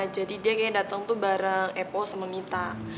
jadi dia kayak dateng tuh bareng epo sama mita